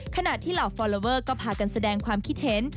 ขณะที่เหล่าฟอลลอเวอร์ก็พากันแสดงความคิดเห็น